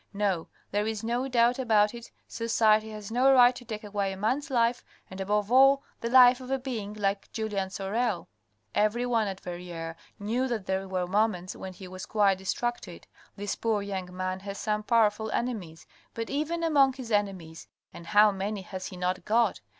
No, there is no doubt about it, society has no right to take away a man's life, and above all, the life of a being like Julien Sorel. Everyone at Verrieres knew that there were moments when he was quite distracted. This poor young man has some powerful enemies, but even among his enemies, (and how many has he not got